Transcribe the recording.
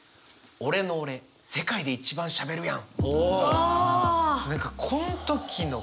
俺の俺世界で一番しゃべるやん。